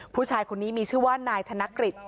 ผู้ชายคนนี้มีชื่อว่านายธนกฤษ